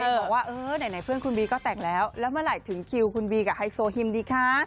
บอกว่าเออไหนเพื่อนคุณบีก็แต่งแล้วแล้วเมื่อไหร่ถึงคิวคุณบีกับไฮโซฮิมดีคะ